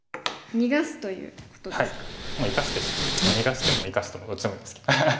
もう生かして逃がしても生かしてもどっちでもいいですけど。